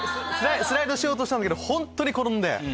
スライドしようとしたんだけど本当に転んで。